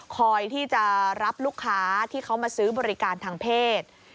คอยที่จะรับลูกค้าที่เขามาซื้อบริการทางเพศ